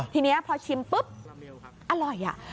ทีนี้พอชิมปุ๊บอร่อย